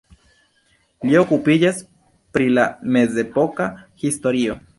Li okupiĝas pri la mezepoka historio.